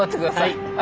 はい。